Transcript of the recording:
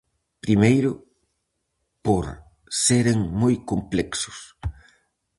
Primeiro, por seren moi complexos.